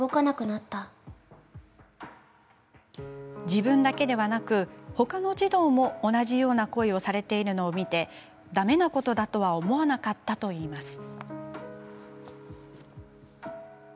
自分だけでなくほかの児童も同じような行為をされているのを見てだめなことだとは思わなかったといいます。